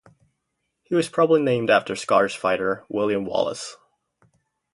He was probably named after Scottish fighter William Wallace.